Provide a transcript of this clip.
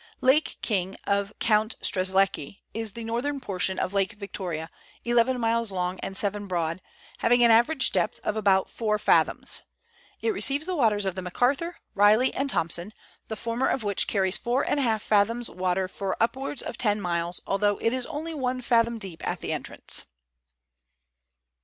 Lake King, of Count Strzelecki, is the northern portion of Lake Victoria, eleven miles long and seven broad, having an average depth of about four fathoms ; it receives the waters of the Macarthur, Riley, and Thomson, the former of which carries four and a half fathoms water for upwards of ten miles, although it is only one fathom deep at the entrance.